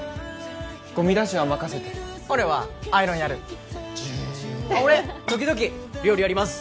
ゴミ出しは任せて俺はアイロンやるジュー俺時々料理やります